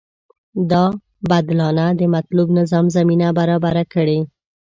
دا بدلانه د مطلوب نظام زمینه برابره کړي.